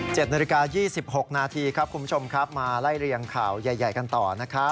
เจ็ดนาฬิกา๒๖นาทีครับคุณผู้ชมครับมาไล่เรียงข่าวใหญ่กันต่อนะครับ